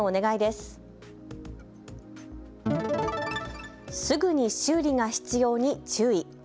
すぐに修理が必要に注意。